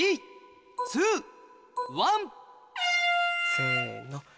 せの。